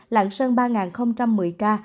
lạng sơn ba một mươi năm ca